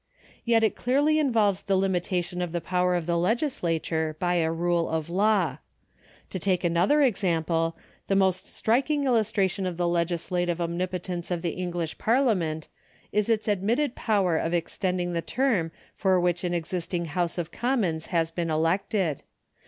Yet it clearly involves the limitation of the power of the legislature by a rule of law. To take another example, the most striking illustration of the legislative omni])otence of the English Parliament is its admitted power of extending the term for which an existing House of Commons has been elected.